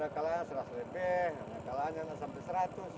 kalanya seratus lebih kalanya enggak sampai seratus